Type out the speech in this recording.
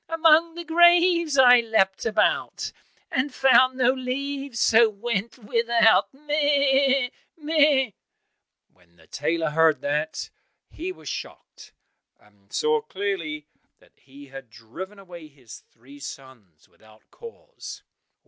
Among the graves I leapt about, And found no leaves, so went without, meh! meh!" When the tailor heard that, he was shocked, and saw clearly that he had driven away his three sons without cause.